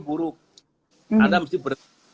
buruk anda mesti bersih